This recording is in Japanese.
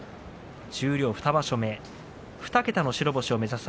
十両２場所目２桁白星を目指す